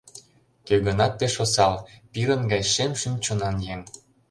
Кӧ-гынат пеш осал, пирын гай шем шӱм-чонан еҥ.